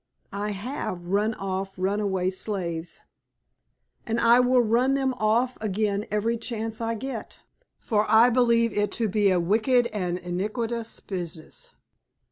I have run off runaway slaves, and I will run them off again every chance I get; for I believe it to be a wicked and iniquitous business.